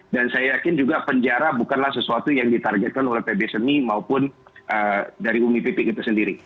dan saya yakin juga penjara bukanlah sesuatu yang ditargetkan oleh pbsmi maupun dari umi pipik itu sendiri